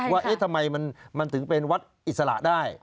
ว่าทำไมมันถึงเป็นวัดอิสระได้